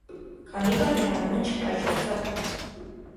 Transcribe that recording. Քանի որ, նրա անունը չկար իր ցուցակում։